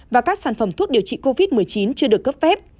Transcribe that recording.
và các sản phẩm thuốc điều trị covid một mươi chín chưa được cấp phép